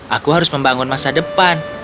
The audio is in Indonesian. aku harus membangun masa depan